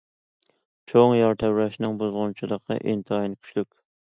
چوڭ يەر تەۋرەشنىڭ بۇزغۇنچىلىقى ئىنتايىن كۈچلۈك.